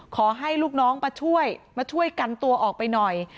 ขอให้ลูกน้องมาช่วยมาช่วยกันตัวออกไปหน่อย